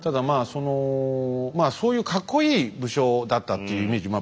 そのまあそういうカッコいい武将だったっていうイメージま